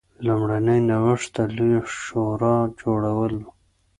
لومړنی نوښت د لویې شورا جوړول و.